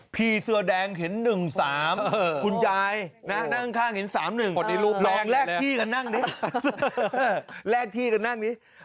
พี่เสือแดงเห็น๑๓คุณยายนั่งข้างเห็น๓๑ลองแลกที่กันนั่งนิ